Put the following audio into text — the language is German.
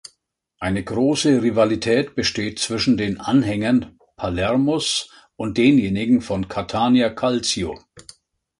Eine große Rivalität besteht zwischen den Anhängern Palermos und denjenigen von Catania Calcio.